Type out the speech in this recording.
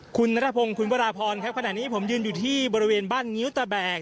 คุณนัทพงศ์คุณวราพรครับขณะนี้ผมยืนอยู่ที่บริเวณบ้านงิ้วตะแบก